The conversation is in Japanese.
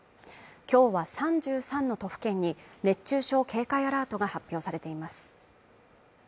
今日は３３の都府県に熱中症警戒アラートが発表されています